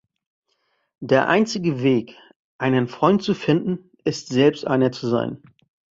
Der einzige Weg, einen Freund zu finden, ist selbst einer zu sein.